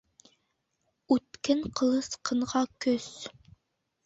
Үткен ҡылыс ҡынға көс